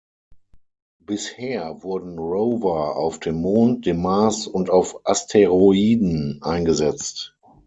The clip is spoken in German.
Bisher wurden Rover auf dem Mond, dem Mars und auf Asteroiden eingesetzt.